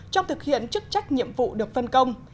trong thực hiện chức trách nhiệm vụ được phân công